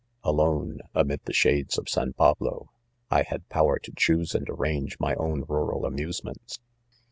Alone, amid the shades of " San Pablo" I had power to choose •and arrange my own rural amusements.